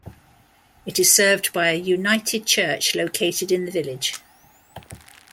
It is served by a United Church located in the village.